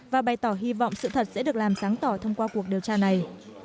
và bày tỏ hy vọng sự thật sẽ được làm sáng tỏ thông qua cuộc điều tra này